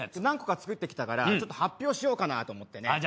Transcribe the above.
何個か作ってきたからちょっと発表しようかなと思ってね。